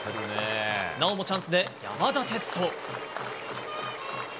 なおもチャンスで山田哲人。